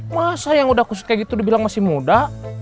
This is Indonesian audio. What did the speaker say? masa yang udah kayak gitu dibilang masih muda